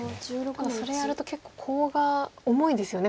ただそれやると結構コウが重いですよね